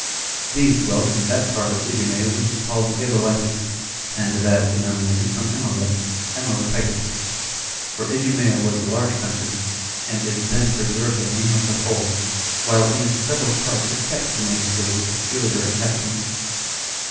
These dwelt in that part of Idumea which is called Gebalitis, and that denominated from Amalek, Amalekitis; for Idumea was a large country, and did then preserve the name of the whole, while in its several parts it kept the names of its peculiar inhabitants.